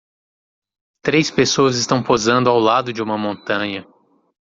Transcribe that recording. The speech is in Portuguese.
Três pessoas estão posando ao lado de uma montanha.